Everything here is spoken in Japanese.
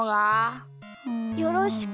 よろしく。